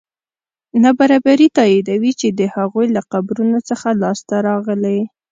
نابرابري تاییدوي د هغوی له قبرونو څخه لاسته راغلي.